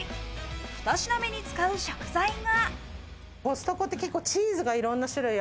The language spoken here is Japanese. ２品目に使う食材が。